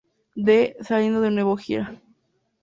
D", saliendo de nuevo de gira.